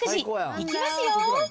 いきますよ。